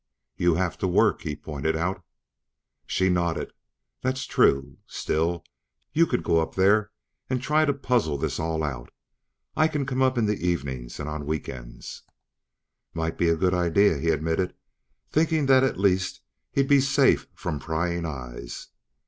"You have to work," he pointed out. She nodded. "That's true, still you could go up there and try to puzzle this all out. I can come up in the evenings, and on weekends." "Might be a good idea," he admitted, thinking that at least, he'd be safe from prying eyes.